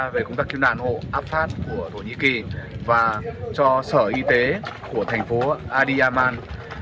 đoàn công tác cứu nạn hộ áp phát của thổ nhĩ kỳ và cho sở y tế của thành phố adiyaman